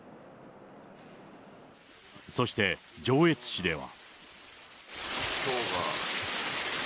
そして、上越市では。